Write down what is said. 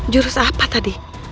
jurus apa tadi